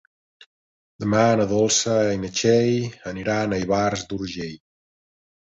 Demà na Dolça i na Txell aniran a Ivars d'Urgell.